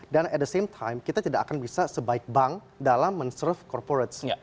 dan at the same time kita tidak akan bisa sebaik bank dalam men serve corporates